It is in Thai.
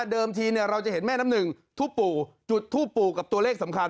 ทีเราจะเห็นแม่น้ำหนึ่งทูบปู่จุดทูปปู่กับตัวเลขสำคัญ